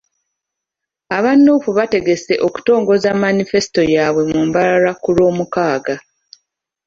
Aba Nuupu bategese okutongoza Manifesito yaabwe mu Mbarara ku Lwomukaaga.